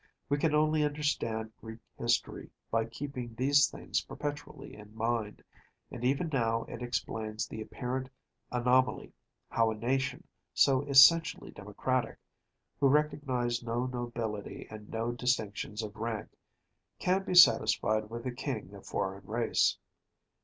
We can only understand Greek history by keeping these things perpetually in mind, and even now it explains the apparent anomaly, how a nation so essentially democratic‚ÄĒwho recognize no nobility and no distinctions of rank‚ÄĒcan be satisfied with a king of foreign race.